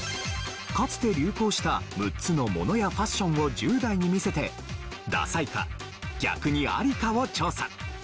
かつて流行した６つの物やファッションを１０代に見せてダサいか逆にアリかを調査。